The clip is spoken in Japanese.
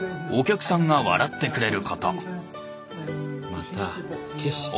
また景色が。